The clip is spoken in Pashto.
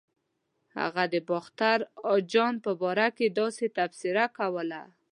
هغه د باختر اجان په باره کې داسې تبصره کوله.